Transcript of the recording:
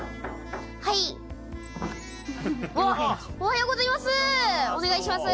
おはようございます！